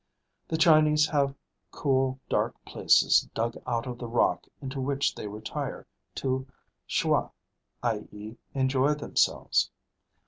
The Chinese have cool, dark places dug out of the rock into which they retire to schwa, i.e. enjoy themselves.